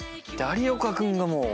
有岡君がもう。